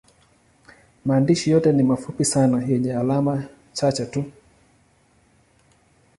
Maandishi yote ni mafupi sana yenye alama chache tu.